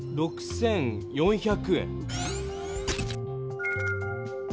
６４００円。